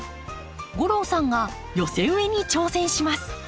吾郎さんが寄せ植えに挑戦します。